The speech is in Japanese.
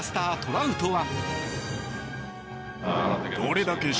ラウトは。